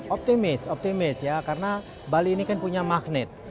optimis optimis ya karena bali ini kan punya magnet